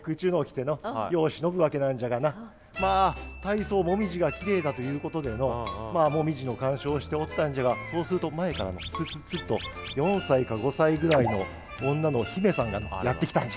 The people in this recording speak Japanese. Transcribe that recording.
まあ大層紅葉がきれいだということでの紅葉の観賞をしておったんじゃがそうすると前からツツツと４歳か５歳ぐらいの女の姫さんがのやって来たんじゃ。